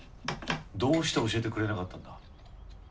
どうして教えてくれなかったんだ。